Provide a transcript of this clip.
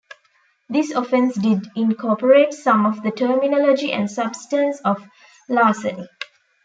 This offence did incorporate some of the terminology and substance of larceny.